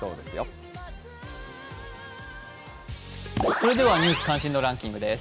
それでは「ニュース関心度ランキング」です。